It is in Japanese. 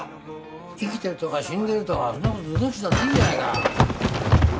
生きてるとか死んでるとかそんな事どっちだっていいじゃないか。